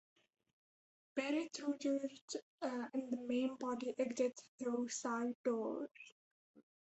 Paratroopers in the main body exited through side doors.